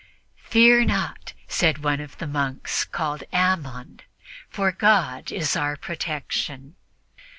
"Fear not," said one of the monks called Ammon, "for God is our protection."